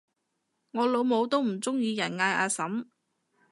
我老母都唔鍾意人嗌阿嬸